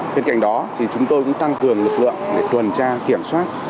bên cạnh đó thì chúng tôi cũng tăng cường lực lượng để tuần tra kiểm soát